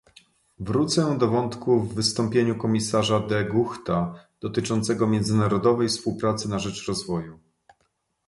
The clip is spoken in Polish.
Wrócę do wątku w wystąpieniu komisarza De Guchta, dotyczącego międzynarodowej współpracy na rzecz rozwoju